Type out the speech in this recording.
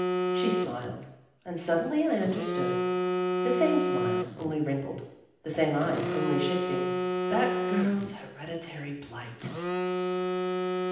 She smiled, and suddenly I under stood : the same smile only wrinkled, the same eyes only shifting. That girl's hereditary blight